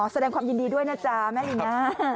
แสดงความยินดีด้วยนะจ๊ะแม่ลีน่า